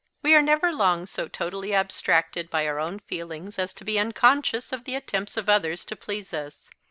We are never long so totally abstracted by our own feelings as to be unconscious of the attempts of others to please us.